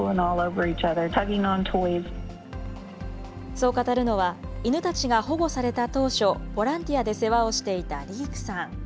そう語るのは、犬たちが保護された当初、ボランティアで世話をしていたリークさん。